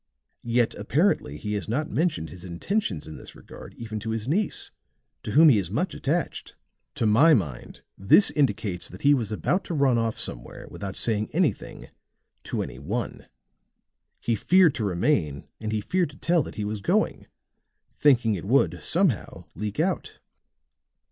Yet apparently he has not mentioned his intentions in this regard even to his niece, to whom he is much attached. To my mind this indicates that he was about to run off somewhere without saying anything to any one. He feared to remain and he feared to tell that he was going, thinking it would, somehow, leak out."